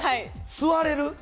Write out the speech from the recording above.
座れる。